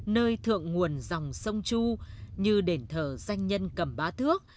nơi thượng nguồn dòng sông chu như đền thờ danh nhân cầm bá thước